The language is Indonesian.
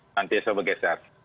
nanti saya bergeser